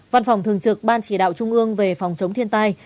văn phòng thường trực ban chỉ đạo trung ương về phòng chống thiên tai